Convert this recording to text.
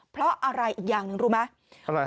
เพราะอะไรอีกอย่างนึงรู้ไหม